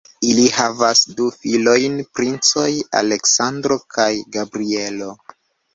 Ili havas du filojn, princoj Aleksandro kaj Gabrielo.